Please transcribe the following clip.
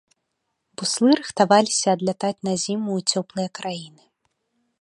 Буслы рыхтаваліся адлятаць на зіму ў цёплыя краіны.